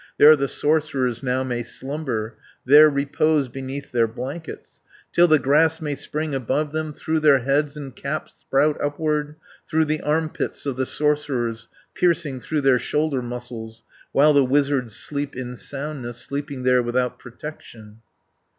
There the sorcerers now may slumber, There repose beneath their blankets, Till the grass may spring above them, Through their heads and caps sprout upward, 180 Through the arm pits of the sorcerers, Piercing through their shoulder muscles, While the wizards sleep in soundness, Sleeping there without protection."